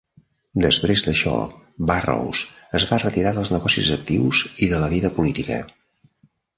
Després d'això, Burrows es va retirar dels negocis actius i de la vida política.